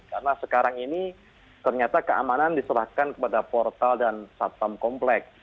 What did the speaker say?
karena sekarang ini ternyata keamanan diserahkan kepada portal dan satam komplek